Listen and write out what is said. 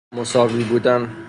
مساوی بودن